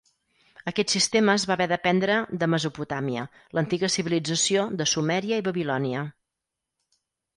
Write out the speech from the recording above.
Aquest sistema es va haver de prendre de Mesopotàmia, l'antiga civilització de Sumèria i Babilònia.